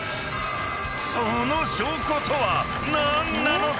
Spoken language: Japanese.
［その証拠とは何なのか？］